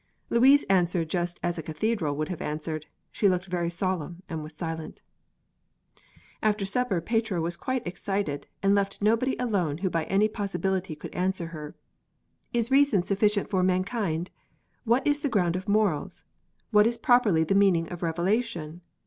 Louise answered just as a cathedral would have answered: she looked very solemn and was silent. After supper Petrea was quite excited, and left nobody alone who by any possibility could answer her. "Is reason sufficient for mankind? What is the ground of morals? What is properly the meaning of 'revelation'?